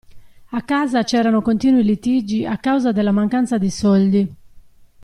A casa c'erano continui litigi a causa della mancanza di soldi.